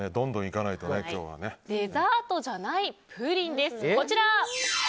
デザートじゃないプリンです。